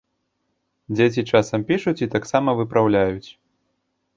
Дзеці часам пішуць і таксама выпраўляюць.